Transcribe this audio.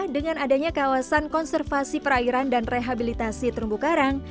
dengan adanya kawasan konservasi perairan dan rehabilitasi terumbu karang